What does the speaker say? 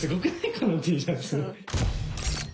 このＴシャツ。